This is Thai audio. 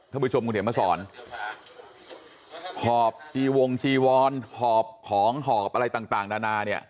ผู้ชมคุณเขียนมาสอนหอบจีวงจีวรหอบของหอบอะไรต่างต่างนานาเนี่ย